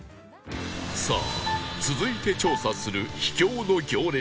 さあ続いて調査する秘境の行列は